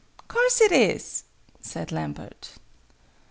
"Course it is," said Lambert.